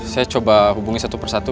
saya coba hubungi satu persatu